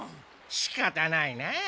しかたないなあ。